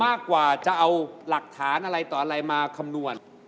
มากกว่าจะเอาหลักฐานอะไรต่ออะไรมาคำนวณ